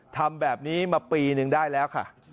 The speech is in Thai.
ทำแบบนี้มาปีนึงได้แล้วค่ะ